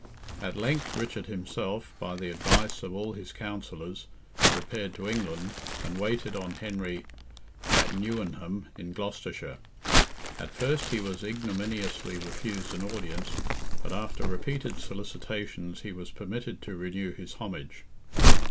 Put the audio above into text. At length, Richard himself, by the advice of all his counsellors, repaired to England, and waited on Henry at Newenham, in Gloucestershire. At first he was ignominiously refused an audience, but after repeated solicitations he was permitted to renew his homage.